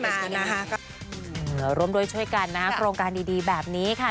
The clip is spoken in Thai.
อืมรวมด้วยช่วยกันนะโครงการดีแบบนี้ค่ะ